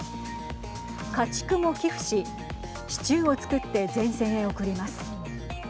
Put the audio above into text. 家畜も寄付しシチューを作って前線へ送ります。